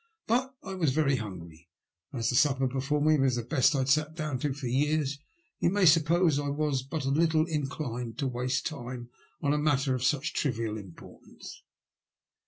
But I was very hungry, and as the supper before me was the best I had sat down to for years, you may suppose I was but little in clined to waste time on a matter of such trivial importance.